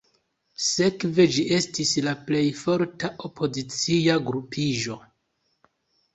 Sekve ĝi estis la plej forta opozicia grupiĝo.